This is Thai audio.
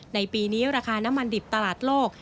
ในปีนี้ราคาน้ำมันดิบตลาดโลก